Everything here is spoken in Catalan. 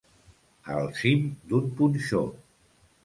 Al cim d'un punxó.